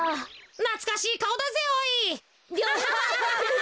なつかしいかおだぜおい。